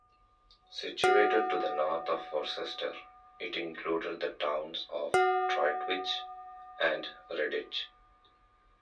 Situated to the north of Worcester, it included the towns of Droitwich and Redditch.